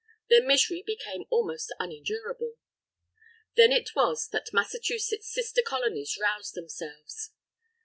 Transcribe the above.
Their misery became almost unendurable. Then it was that Massachusetts' sister Colonies roused themselves.